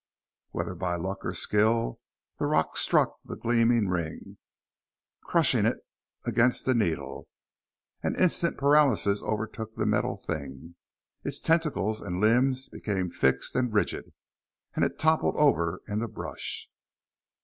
Whether by luck or skill, the rock struck the gleaming ring, crushing it against the needle and instant paralysis overtook the metal thing. Its tentacles and limbs became fixed and rigid, and it toppled over in the brush.